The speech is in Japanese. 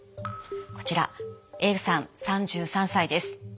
こちらＡさん３３歳です。